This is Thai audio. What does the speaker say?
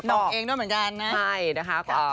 น้องเองด้วยเหมือนกัน